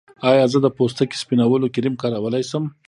ایا زه د پوستکي سپینولو کریم کارولی شم؟